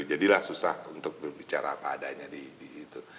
jadilah susah untuk berbicara apa adanya di situ